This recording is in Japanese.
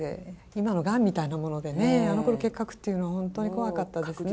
今のガンみたいなものでねあのころ結核っていうのは本当に怖かったですね。